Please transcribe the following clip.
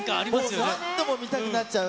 何度も見たくなっちゃう。